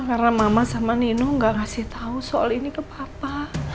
karena mama sama nino nggak ngasih tahu soal ini ke papa